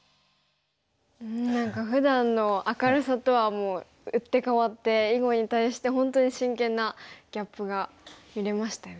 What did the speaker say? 何かふだんの明るさとはもう打って変わって囲碁に対して本当に真剣なギャップが見れましたよね。